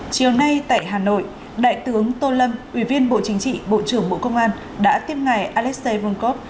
chiều nay tại hà nội đại tướng tô lâm ủy viên bộ chính trị bộ trưởng bộ công an đã tiếp ngài alexei vunkov